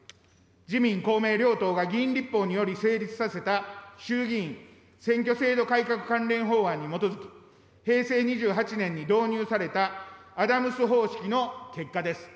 自民、公明両党が議員立法により成立させた衆議院選挙制度改革関連法案に基づき平成２８年に導入されたアダムス方式の結果です。